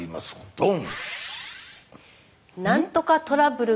ドン！